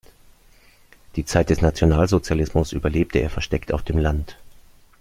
Die Zeit des Nationalsozialismus überlebte er versteckt auf dem Land.